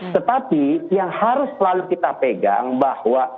tetapi yang harus selalu kita pegang bahwa